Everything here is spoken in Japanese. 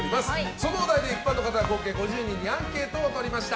そのお題で一般の方合計５０人にアンケートをとりました。